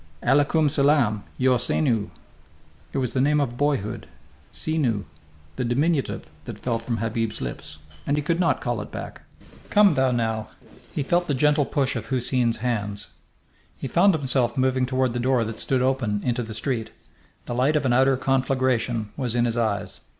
"Alekoum selam, ya Seenou!" It was the name of boyhood, Seenou, the diminutive, that fell from Habib's lips. And he could not call it back. "Come thou now." He felt the gentle push of Houseen's hands. He found himself moving toward the door that stood open into the street. The light of an outer conflagration was in his eyes.